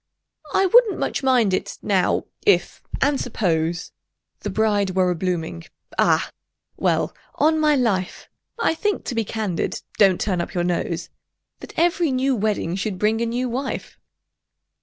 "I wouldn't much mind it, now—if—and suppose— The bride were a blooming—Ah! well—on my life, I think—to be candid—(don't turn up your nose!) That every new wedding should bring a new wife!"